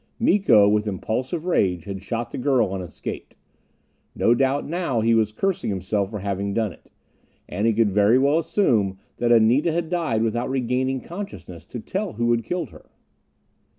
Miko, with impulsive rage, had shot the girl and escaped. No doubt now he was cursing himself for having done it. And he could very well assume that Anita had died without regaining consciousness to tell who had killed her.